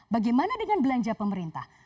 bagaimana dengan belanja pemerintah